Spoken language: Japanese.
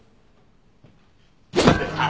あっ。